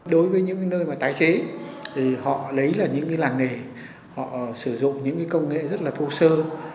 đối với những nơi mà tái chế thì họ lấy là những làng nghề họ sử dụng những công nghệ rất là thô sơ